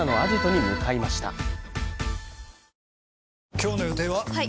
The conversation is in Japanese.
今日の予定は？